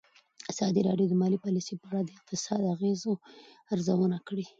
ازادي راډیو د مالي پالیسي په اړه د اقتصادي اغېزو ارزونه کړې.